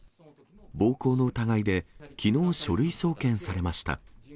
暴行の疑いで、きのう、書類送検されました。